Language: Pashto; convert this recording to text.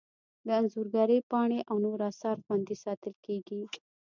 د انځورګرۍ پاڼې او نور اثار خوندي ساتل کیږي.